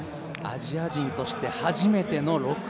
アジア人として初めての６ｍ。